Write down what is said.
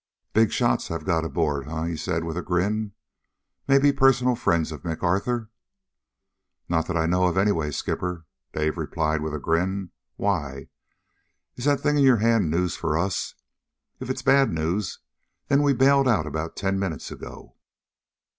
"Big shots I've got aboard, huh?" he said with a grin. "Maybe personal friends of MacArthur?" "Not that I know of, anyway, Skipper," Dave replied with a grin. "Why? Is that thing in your hand news for us? If it's bad news, then we bailed out about ten minutes ago."